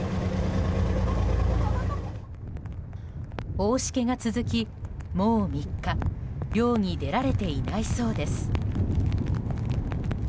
大しけが続き、もう３日漁に出られていないそうです。